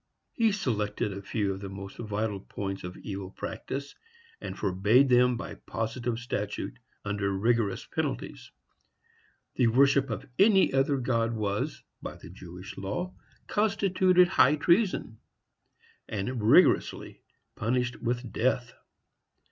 He selected a few of the most vital points of evil practice, and forbade them by positive statute, under rigorous penalties. The worship of any other god was, by the Jewish law, constituted high treason, and rigorously punished with death.